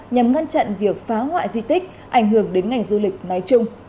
nhằm ngăn chặn việc phá hoại di tích ảnh hưởng đến ngành du lịch nói chung